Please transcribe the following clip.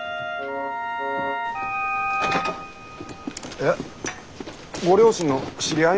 えっご両親の知り合い？